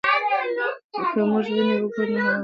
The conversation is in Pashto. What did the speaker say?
که موږ ونې وکرو نو هوا به پاکه شي.